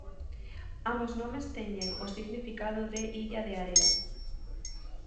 Ambos nomes teñen o significado de "Illa de area".